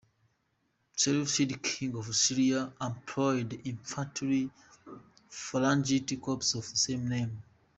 The Seleucid kings of Syria employed an infantry phalangite corps of the same name.